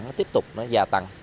nó tiếp tục gia tăng